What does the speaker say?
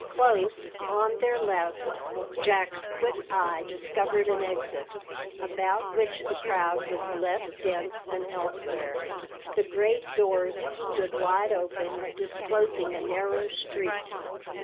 Close, on their left Jack's quick eye discovered an exit, about which the crowd was less dense than elsewhere. The great doors stood wide open, disclosing a narrow street.